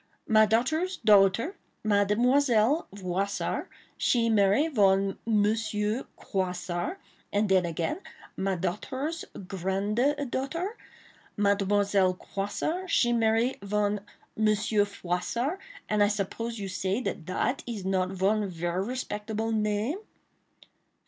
My daughter's daughter, Mademoiselle Voissart, she marry von Monsieur Croissart, and den again, my daughter's grande daughter, Mademoiselle Croissart, she marry von Monsieur Froissart; and I suppose you say dat dat is not von ver respectaable name."